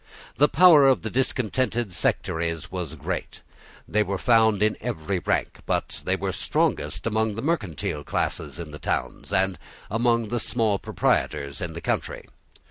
The power of the discontented sectaries was great. They were found in every rank; but they were strongest among the mercantile classes in the towns, and among the small proprietors in the country.